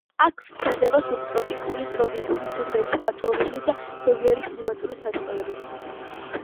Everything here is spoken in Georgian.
აქ ვრცელდება სუბტროპიკული, ტროპიკული, სუბეკვატორული და ზომიერი კლიმატური სარტყლები.